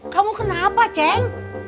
kamu kenapa ceng